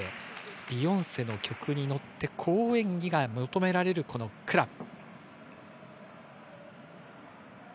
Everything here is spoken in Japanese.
ビヨンセの曲に乗って好演技が求められるクラブ。